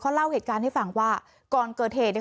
เล่าเหตุการณ์ให้ฟังว่าก่อนเกิดเหตุเนี่ย